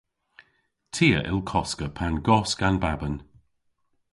Ty a yll koska pan gosk an baban.